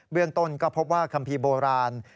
เบื้องต้นก็พบว่าคำพี่โบราณ